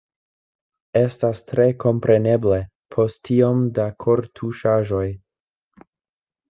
Estas tre kompreneble, post tiom da kortuŝaĵoj.